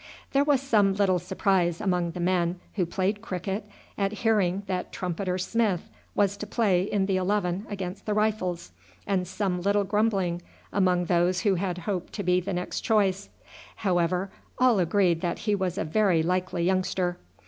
There was some little surprise among the men who played cricket at hearing that Trumpeter Smith was to play in the eleven against the Rifles, and some little grumbling among those who had hoped to be the next choice. However, all agreed that he was a very likely youngster.